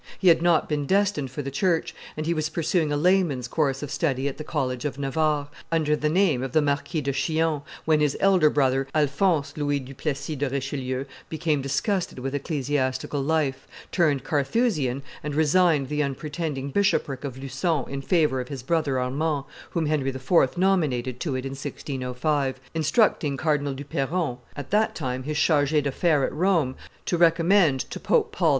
He had not been destined for the church, and he was pursuing a layman's course of study at the college of Navarre, under the name of the Marquis de Chillon, when his elder brother, Alphonse Louis du Plessis de Richelieu, became disgusted yith ecclesiastical life, turned Carthusian, and resigned the unpretending bishopric of Lucon in favor of his brother Armand, whom Henry IV. nominated to it in 1605, instructing Cardinal du Perron, at that time his charge d'affaires at Rome, to recommend to Pope Paul V.